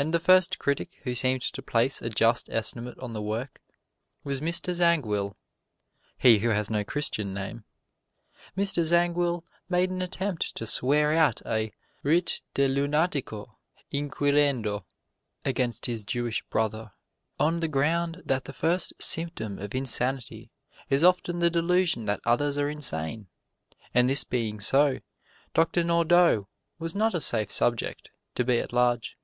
And the first critic who seemed to place a just estimate on the work was Mr. Zangwill (he who has no Christian name). Mr. Zangwill made an attempt to swear out a "writ de lunatico inquirendo" against his Jewish brother, on the ground that the first symptom of insanity is often the delusion that others are insane; and this being so, Doctor Nordau was not a safe subject to be at large.